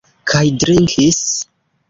Kaj drinkis?